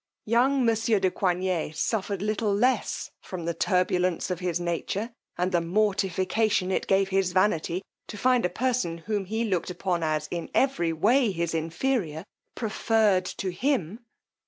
Young monsieur de Coigney suffered little less from the turbulence of his nature, and the mortification it gave his vanity, to find a person, whom he looked upon as every way his inferior, preferred to him.